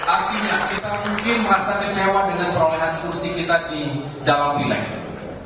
artinya kita mungkin merasa kecewa dengan perolehan kursi kita di dalam pileg